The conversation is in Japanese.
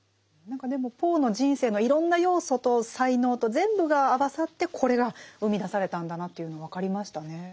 何かでもポーの人生のいろんな要素と才能と全部が合わさってこれが生み出されたんだなというの分かりましたね。